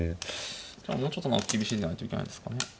じゃあもうちょっと何か厳しい手じゃないといけないんですかね。